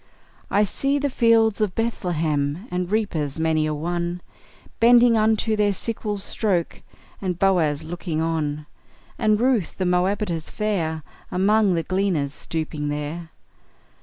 I see the fields of Bethlehem, And reapers many a one Bending unto their sickles' stroke, And Boaz looking on; And Ruth, the Moabitess fair, Among the gleaners stooping there!